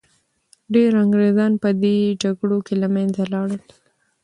ډیر انګریزان په دې جګړو کي له منځه لاړل.